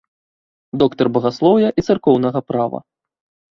Доктар багаслоўя і царкоўнага права.